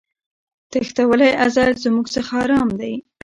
تښتولی ازل زموږ څخه آرام دی